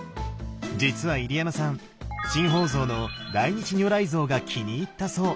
実は入山さん新宝蔵の大日如来像が気に入ったそう。